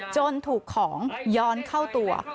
จนถูกของย้อนเข้าตัว